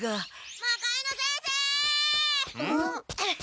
魔界之先生！